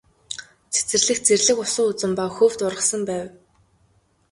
Цэцэрлэгт зэрлэг усан үзэм ба хөвд ургасан байв.